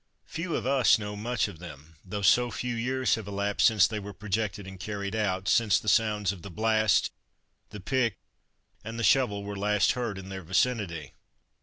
Few of us know much of them, though so few years have elapsed since they were projected and carried out, since the sounds of the blast, the pick, and the shovel were last heard in their vicinity.